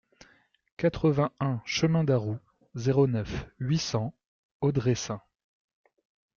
quatre-vingt-un chemin d'Arrout, zéro neuf, huit cents, Audressein